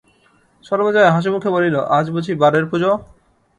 সর্বজয়া হাসিমুখে বলিল, আজ বুঝি বারের পুজো?